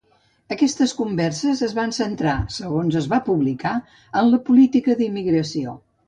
Aquestes converses es van centrar, segons es va publicar, en la política d'immigració.